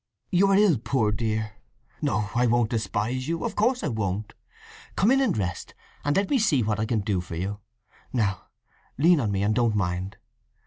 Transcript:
"You are ill, poor dear! No, I won't despise you; of course I won't! Come in and rest, and let me see what I can do for you. Now lean on me, and don't mind."